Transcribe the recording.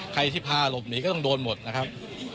ใครที่พาหลบหนีก็ต้องโดนหมดนะครับ